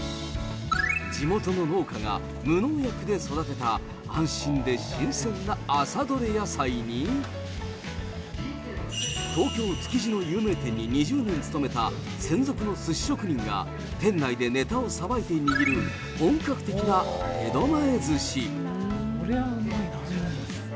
地元の農家が無農薬で育てた、安心で新鮮な朝取れ野菜に、東京・築地の有名店に２０年勤めた専属のすし職人が店内でネタをさばいている本格的な江戸前ずし。